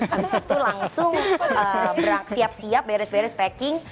habis itu langsung siap siap beres beres packing